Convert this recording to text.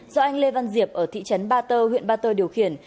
do anh lê văn diệp ở thị trấn ba tơ huyện ba tơ điều khiển